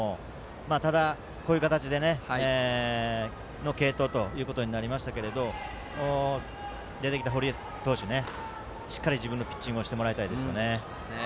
ただ、こういう形での継投となりましたけど出てきた堀江投手、しっかり自分のピッチングをしてもらいたいですね。